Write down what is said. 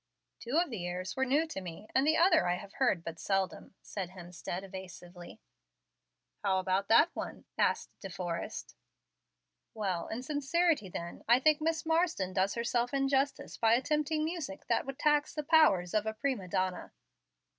"Two of the airs were new to me, and the other I have heard but seldom," said Hemstead, evasively. "How about that one?" asked De Forrest. "Well, in sincerity then, I think Miss Marsden does herself injustice by attempting music that would tax the powers of a prima donna."